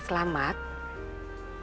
kamu harus berhati hati